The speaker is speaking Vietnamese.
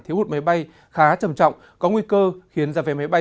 thiếu hụt máy bay khá trầm trọng có nguy cơ khiến ra về máy bay